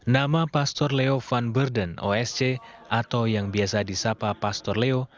nama pastor leo van burden osc atau yang biasa disapa pastor leo